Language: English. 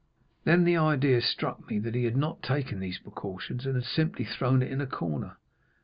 Then the idea struck me that he had not taken these precautions, and had simply thrown it in a corner.